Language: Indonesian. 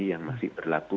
yang masih terjadi